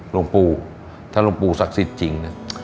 ลงปูถ้าลงปูศักดิ์สิทธิ์จริง